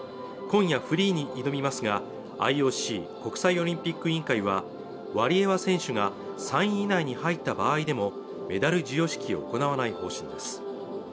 今夜フリーに挑みますがＩＯＣ＝国際オリンピック委員会はワリエワ選手が３位以内に入った場合でもメダル授与式を行わない方針です